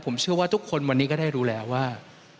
ผมเชื่อว่าทุกคนวันนี้ก็ได้รู้แล้วว่า